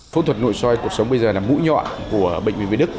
phẫu thuật nội soi cuộc sống bây giờ là mũi nhọn của bệnh viện việt đức